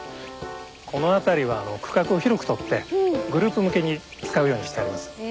この辺りは区画を広く取ってグループ向けに使うようにしてあります。